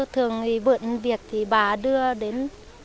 thường thì bận việc thì bà đưa đến